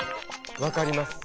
分かります。